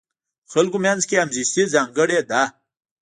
د خلکو منځ کې همزیستي ځانګړې ده.